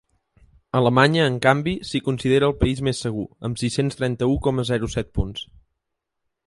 Alemanya, en canvi, s’hi considera el país més segur, amb sis-cents trenta-u coma zero set punts.